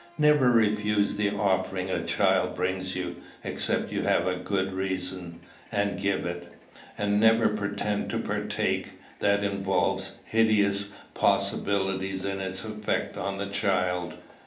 Never refuse the offering a child brings you, except you have a good reason, and give it. And never pretend to partake: that involves hideous possibilities in its effects on the child.